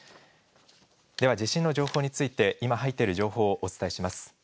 では、地震の情報について、今入っている情報をお伝えします。